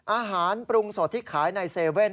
อาหารปรุงสดที่ขายใน๗๑๑